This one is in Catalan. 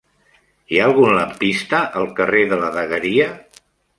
Hi ha algun lampista al carrer de la Dagueria?